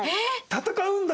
戦うんだ？